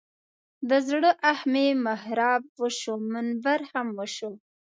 د زړه آه مې محراب وسو منبر هم وسو.